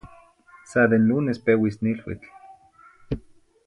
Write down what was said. sa de n lunes peuis niluitl.